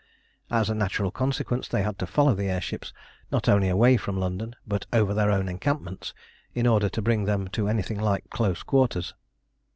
As a natural consequence they had to follow the air ships, not only away from London, but over their own encampments, in order to bring them to anything like close quarters.